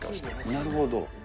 なるほど。